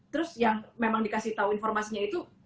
terus yang memang dikasih tahu informasinya itu